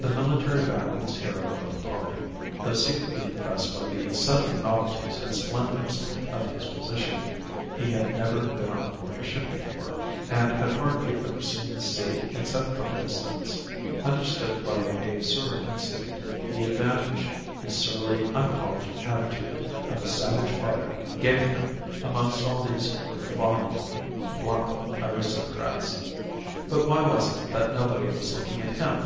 The military backwoods hero of the party, though secretly impressed by the sudden novelties and splendours of his position (he had never been on board a ship before, and had hardly ever seen the sea except from a distance), understood by a sort of instinct the advantage his surly, unpolished attitude of a savage fighter gave him amongst all these refined Blanco aristocrats. But why was it that nobody was looking at him?